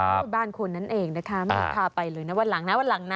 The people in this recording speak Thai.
บ้านคนนั้นเองนะคะไม่พาไปเลยนะวันหลังนะ